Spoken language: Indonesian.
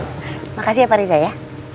terima kasih ya pak riza ya